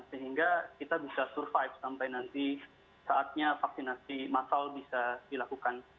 sehingga kita bisa survive sampai nanti saatnya vaksinasi massal bisa dilakukan